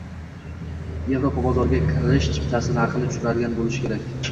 «Yevropa bozoriga kirish chiptasi» narxini tushiradigan bo‘lishi kerak.